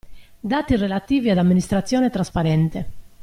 Dati relativi ad amministrazione trasparente.